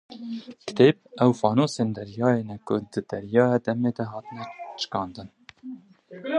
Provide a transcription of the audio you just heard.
Kitêb, ew fanosên deryayê ne ku di deryaya demê de hatine çikandin.